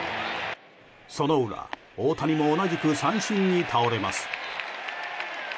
その裏、大谷も同じく三振に倒れます。